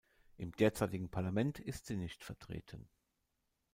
Im derzeitigen Parlament ist sie nicht vertreten.